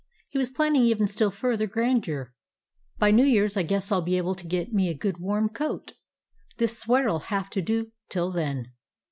He was planning even still fur ther grandeur. "By New Year's I guess I 'll be able to get me a good warm coat. This sweater 'll have to do till then.